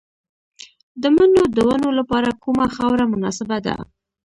د مڼو د ونو لپاره کومه خاوره مناسبه ده؟